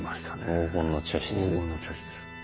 黄金の茶室。